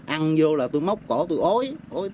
ăn vô là tôi móc cổ tôi ối